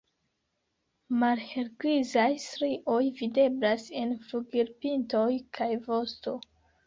Malhelgrizaj strioj videblas en flugilpintoj kaj vosto.